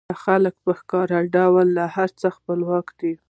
دا خلک په ښکاره ډول له هر څه خپلواک دي